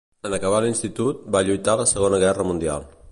En acabar l'institut, va lluitar a la Segona Guerra Mundial.